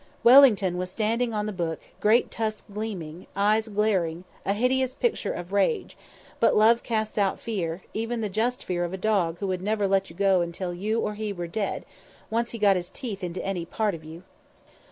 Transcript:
Wellington was standing on the book, great tusks gleaming, eyes glaring, a hideous picture of rage; but love casts out fear, even the just fear of a dog who would never let go until you or he were dead, once he got his teeth into any part of yon.